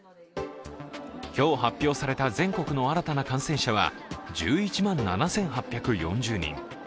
今日発表された全国の新たな感染者は１１万７８４０人。